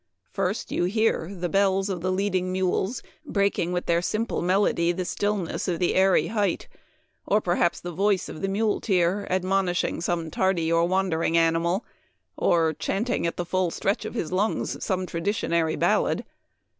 First you hear the bells o\ the leading mules breaking with their simple melody the stillness of the airy height, or perhaps the voice of the muleteer admonishing some tardy or wandering animal, or chanting at the full stretch ot his lungs some traditionary ballad.